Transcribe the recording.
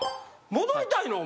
戻りたいの？